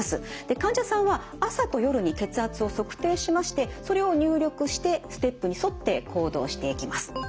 患者さんは朝と夜に血圧を測定しましてそれを入力してステップに沿って行動していきます。